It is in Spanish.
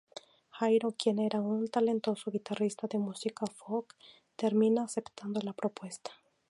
Jairo quien era un talentoso guitarrista de música folk, termina aceptando la propuesta.